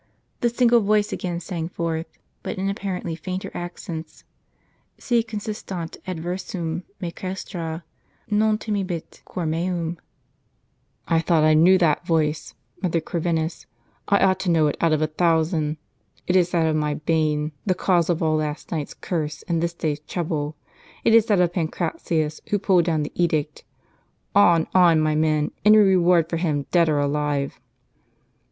The single voice again sang forth, but in apparently fainter accents : "Si consistant adversum me castra, non timebit cor meum." I "I thought I knew that voice," muttered Corvinus. "I ought to know it out of a thousand. It is that of my bane, the cause of all last night's curse and this day's trouble. It is that of Pancratius, who pulled down the edict. On, on, my men ; any reward for him, dead or alive